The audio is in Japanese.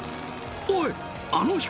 おい！